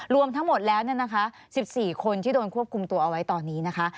รวมทั้งหมดแล้ว๑๔คนที่โดนควบคุมตัวเอาไว้ตอนนี้นะคะ